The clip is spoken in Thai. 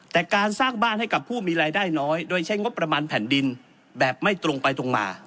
แต่การสร้างบ้านให้กับผู้มีรายได้น้อยโดยใช้งบประมาณแผ่นดินแบบไม่ตรงไปตรงมา